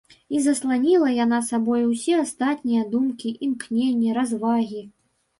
І засланіла яна сабою ўсе астатнія думкі, імкненні, развагі.